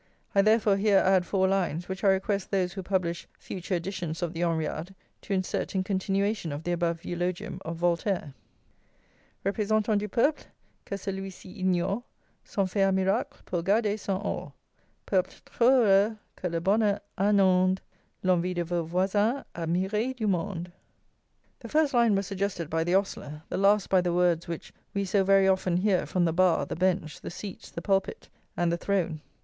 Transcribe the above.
I therefore here add four lines, which I request those who publish future editions of the Henriade to insert in continuation of the above eulogium of Voltaire. Représentans du peuple, que celui ci ignore, Sont fait à miracle pour garder son Or! Peuple trop heureux, que le bonheur inonde! L'envie de vos voisins, admiré du monde! The first line was suggested by the ostler; the last by the words which we so very often hear from the bar, the bench, the seats, the pulpit, and the throne.